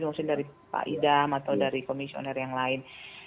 maksudnya dari pak idam atau dari komisioner yang lain